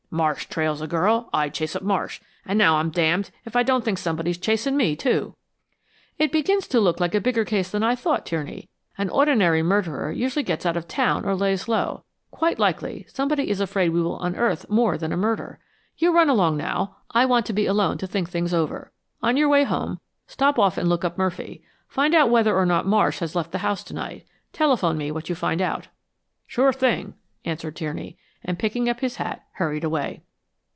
Marsh trails a girl; I chase up Marsh; and now I'm damned if I don't think somebody's chasing me, too." "It begins to look like a bigger case than I thought, Tierney. An ordinary murderer usually gets out of town or lays low. Quite likely somebody is afraid we will unearth more than a murder. You run along now. I want to be alone to think things over. On your way home stop off and look up Murphy. Find out whether or not Marsh has left the house tonight. Telephone me what you find out." "Sure thing," answered Tierney, and picking up his hat, hurried away.